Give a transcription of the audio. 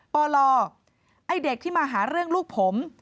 ปลไอ้เด็กที่มาหาเรื่องลูกผม